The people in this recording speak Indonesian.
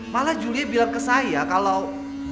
malah julia bilang ke saya kalau